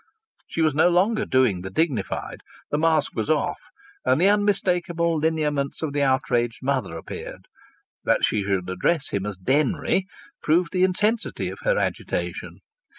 She was no longer doing the dignified. The mask was off and the unmistakable lineaments of the outraged mother appeared. That she should address him as "Denry" proved the intensity of her agitation.